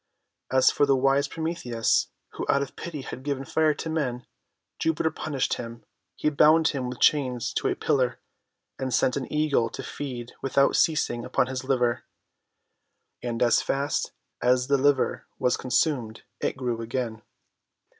As for the wise Prometheus, who out of pity had given Fire to men, Jupiter punished him. He bound him with chains to a pillar, and sent an Eagle to feed without ceasing upon his liver. And as fast as the liver was consumed, it grew again.